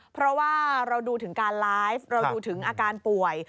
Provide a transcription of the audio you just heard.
เพราะว่าเราดูถึงการไลฟ์เราดูถึงอาการป่วย